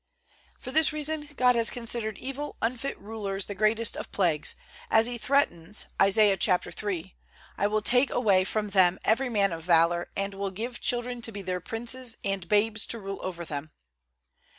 For this reason God has considered evil, unfit rulers the greatest of plagues, as He threatens, Isaiah iii, "I will take away from them every man of valor, and will give children to be their princes and babes to rule over them."